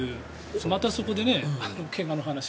またそこで、怪我の話が。